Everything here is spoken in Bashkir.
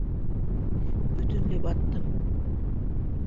Бөтөнләй баттым...